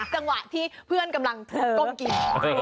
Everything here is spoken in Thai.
จังหวะที่เพื่อนกำลังก้มกิน